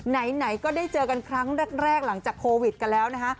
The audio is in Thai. ไหนก็ได้เจอกันครั้งแรกหลังจากโควิดกันแล้วนะคะ